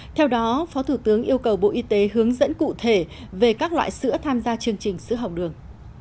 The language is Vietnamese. theo đó phó thủ tướng yêu cầu bộ y tế hướng dẫn cụ thể về các loại sữa tham gia chương trình sữa học đường